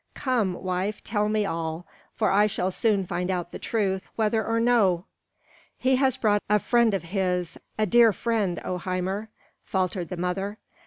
Come, wife, tell me all; for I shall soon find out the truth, whether or no." "He has brought a friend of his, a dear friend, O Hymir!" faltered the mother.